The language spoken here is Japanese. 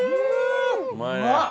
うまっ！